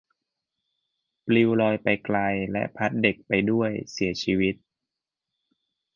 ปลิวลอยไปไกลและพัดเด็กไปด้วยเสียชีวิต